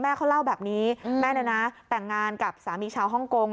เขาเล่าแบบนี้แม่เนี่ยนะแต่งงานกับสามีชาวฮ่องกง